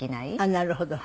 なるほどね。